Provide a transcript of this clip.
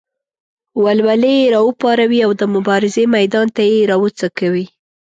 ولولې یې راوپاروي او د مبارزې میدان ته یې راوڅکوي.